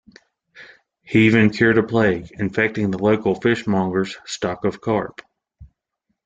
He even cured a plague infecting the local fishmonger's stock of carp.